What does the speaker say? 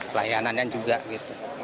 pelayanannya juga gitu